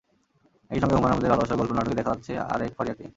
একই সঙ্গে হুমায়ূন আহমেদের ভালোবাসার গল্প নাটকে দেখা গেছে আরেক ফারিয়াকে।